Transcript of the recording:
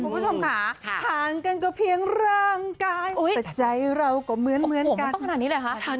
คุณผู้ชมค่ะห่างกันก็เพียงร่างกายันแต่ใจเราก็เหมือนกัน